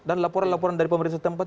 dan laporan laporan dari pemerintah setempat